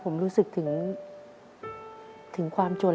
ผมรู้สึกถึงความจน